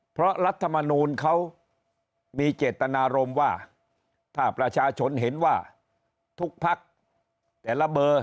เพราะรัฐมนูลเขามีเจตนารมณ์ว่าถ้าประชาชนเห็นว่าทุกพักแต่ละเบอร์